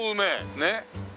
ねっ。